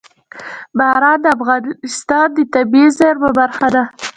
باران د افغانستان د طبیعي زیرمو برخه ده.